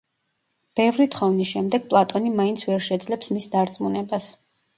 ბევრი თხოვნის შემდეგ პლატონი მაინც ვერ შეძლებს მის დარწმუნებას.